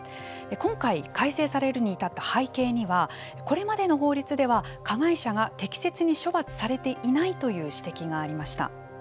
今回改正されるに至った背景にはこれまでの法律では、加害者が適切に処罰されていないという指摘がありました。